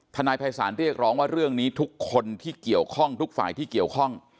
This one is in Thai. นายภัยศาลเรียกร้องว่าเรื่องนี้ทุกคนที่เกี่ยวข้องทุกฝ่ายที่เกี่ยวข้อง